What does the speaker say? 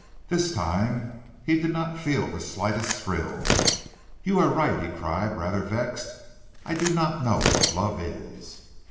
This time he did not feel the slightest thrill. "You are right," he cried rather vexed. "I do not know what love is."